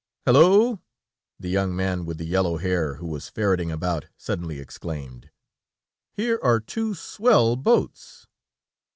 "Hulloh!" the young man with the yellow hair, who was ferreting about, suddenly exclaimed, "here are two swell boats!"